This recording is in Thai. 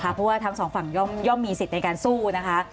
เพราะว่าทั้งสองฝั่งย่อมมีสิทธิ์ในการสู้นะคะ